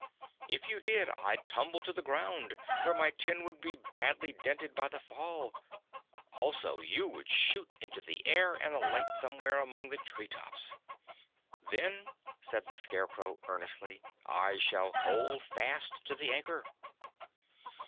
"If you did I'd tumble to the ground, where my tin would be badly dented by the fall. Also you would shoot into the air and alight somewhere among the tree tops." "Then," said the Scarecrow, earnestly, "I shall hold fast to the anchor."